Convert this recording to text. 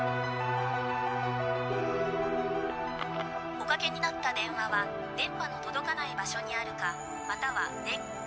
「おかけになった電話は電波の届かない場所にあるかまたは電」。